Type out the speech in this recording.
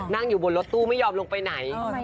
นั่งอยู่บนรถตู้ไม่ยอมลงไปไหน